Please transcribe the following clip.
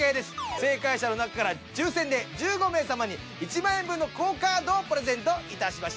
正解者の中から抽選で１５名様に１万円分のＱＵＯカードをプレゼントいたしまし。